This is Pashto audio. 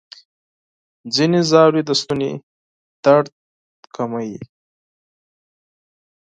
ځینې ژاولې د ستوني درد کموي.